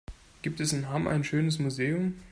Gibt es in Hamm ein schönes Museum?